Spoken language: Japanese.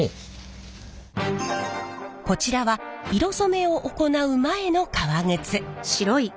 こちらは色染めを行う前の革靴。